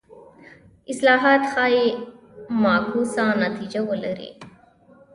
اصلاحات ښايي معکوسه نتیجه ولري.